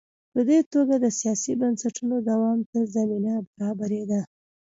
په دې توګه د سیاسي بنسټونو دوام ته زمینه برابرېده.